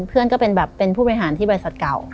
ก็เป็นแบบเป็นผู้บริหารที่บริษัทเก่า